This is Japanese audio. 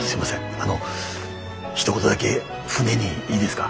あのひと言だけ船にいいですか？